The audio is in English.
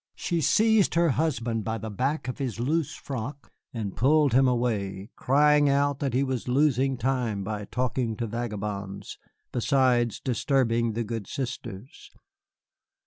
She seized her husband by the back of his loose frock and pulled him away, crying out that he was losing time by talking to vagabonds, besides disturbing the good sisters.